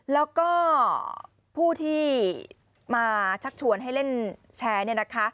แล้วก็ผู้ที่มาชักชวนให้เล่นแชร์